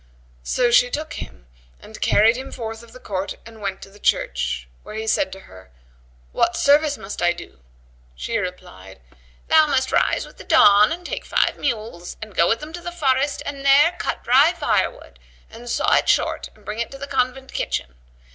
So she took him and carried him forth of the court and went to the church, where he said to her, "What service must I do?" She replied, "Thou must rise with the dawn and take five mules and go with them to the forest and there cut dry fire wood and saw it short and bring it to the convent kitchen.